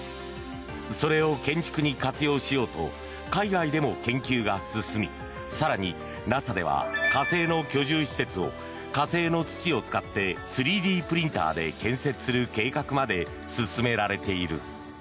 それを建築に活用しようと海外でも研究が進み更に、ＮＡＳＡでは火星の居住施設を火星の土を使って３Ｄプリンターで建設する計画まで進められている。